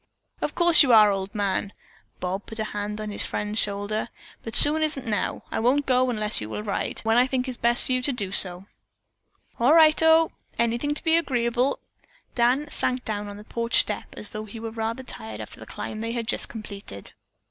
"Of course you are, old man," Bob put a hand on his friend's shoulder, "but soon isn't now. I won't go unless you will ride, when I think it is the best for you to do so." "All righto! Anything to be agreeable." Dan sank down on the porch step as though he were rather tired after the climb they had just completed.